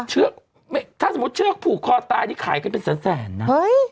ถ้าสมมุติเชือกผูกคอตายนี่ขายกันเป็นแสนนะ